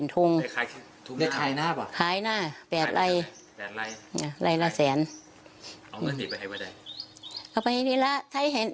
นี้แหละเทือที่สาม